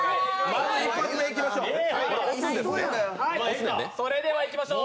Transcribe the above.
まず１発目、いきましょう。